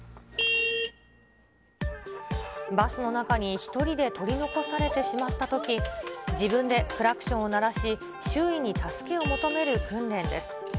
バスの中に１人で取り残されてしまったとき、自分でクラクションを鳴らし、周囲に助けを求める訓練です。